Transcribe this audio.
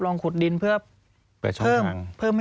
สวัสดีค่ะที่จอมฝันครับ